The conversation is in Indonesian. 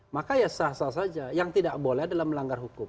maka ya sah sah saja yang tidak boleh adalah melanggar hukum